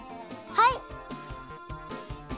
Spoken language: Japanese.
はい！